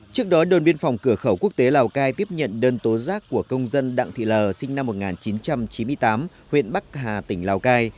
trước đó đồn biên phòng cửa khẩu quốc tế lào cai tiếp nhận đơn tố giác của công dân đặng thị l sinh năm một nghìn chín trăm chín mươi tám huyện bắc hà tỉnh lào cai